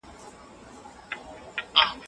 تاسو ولي په دغه غونډې کي چوپه خوله سواست؟